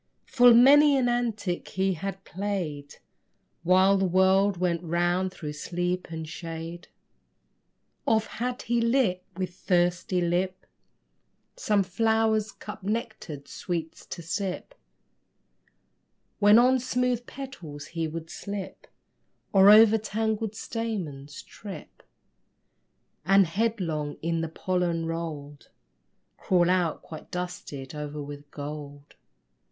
Full many an antic he had played While the world went round through sleep and shade. Oft had he lit with thirsty lip Some flower cup's nectared sweets to sip, When on smooth petals he would slip Or over tangled stamens trip, And headlong in the pollen rolled, Crawl out quite dusted o'er with gold.